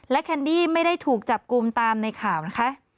แคนดี้ไม่ได้ถูกจับกลุ่มตามในข่าวนะคะ